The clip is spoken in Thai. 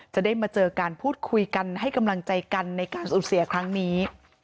จะได้มาเจอกันพูดคุยกันให้กำลังใจกันในการสูญเสียครั้งนี้